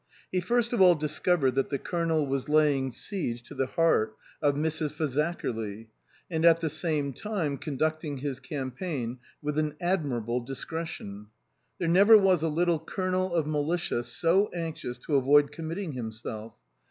He first of all discovered that the Colonel was laying siege to the heart of Mrs. Fazakerly, and at the same time conducting his campaign with an ad mirable discretion. There never was a little Colonel of militia so anxious to avoid commit ting himself.